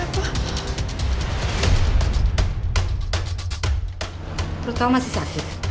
terutama masih sakit